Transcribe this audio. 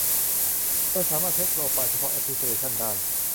เราสามารถใช้โปรไฟล์เฉพาะแอปพลิเคชันได้